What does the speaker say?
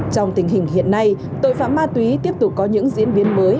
trong tình hình hiện nay tội phạm ma túy tiếp tục có những diễn biến mới